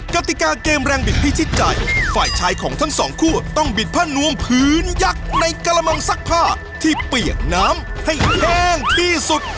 กติกาเกมแรงบิดพิชิตใจฝ่ายชายของทั้งสองคู่ต้องบิดผ้านวงพื้นยักษ์ในกระมังซักผ้าที่เปียกน้ำให้แห้งที่สุด